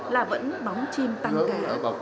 là vẫn bóng chim tăng gà